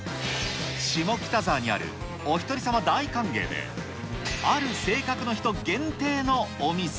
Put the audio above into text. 下北沢にある、おひとり様大歓迎で、ある性格の人限定のお店。